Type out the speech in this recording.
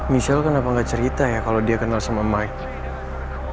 michelle kenapa gak cerita ya kalau dia kenal sama mike